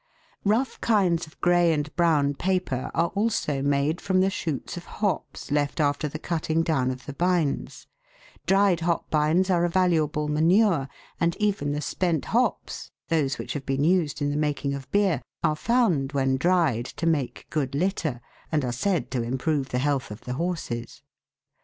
BREWERS' REFUSE. ' 307 Rough kinds of grey and brown paper are also made from the shoots of hops left after the cutting down of the bines ; dried hop bines are a valuable manure, and even the spent hops, those which have been used in the making of beer, are found, when dried, to make good litter, and are said to improve the health of the horses.